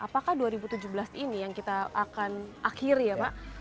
apakah dua ribu tujuh belas ini yang kita akan akhiri ya pak